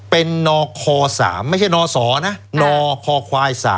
เป็นนค๓ไม่ใช่นศนะนคควาย๓